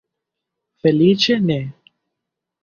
Feliĉe ne.